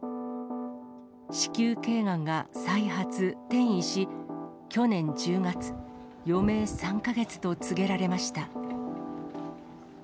子宮けいがんが再発、転移し、去年１０月、余命３か月と告げられました。